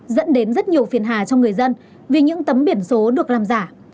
dẫn đến rất nhiều phiền hà cho người dân vì những tấm biển số được làm giả